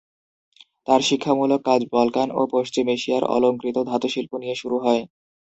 তাঁর শিক্ষামূলক কাজ বলকান ও পশ্চিম এশিয়ার অলংকৃত ধাতুশিল্প নিয়ে শুরু হয়।